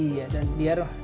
iya dan biar